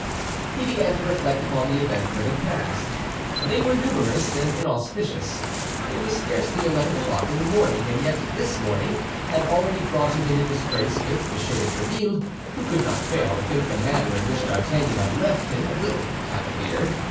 He began to reflect upon the events that had passed; they were numerous and inauspicious. It was scarcely eleven o'clock in the morning, and yet this morning had already brought him into disgrace with M. de Tréville, who could not fail to think the manner in which D'Artagnan had left him a little cavalier.